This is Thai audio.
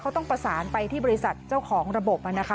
เขาต้องประสานไปที่บริษัทเจ้าของระบบนะคะ